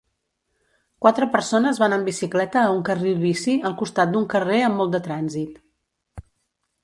Quatre persones van en bicicleta a un carril bici al costat d'un carrer amb molt de trànsit.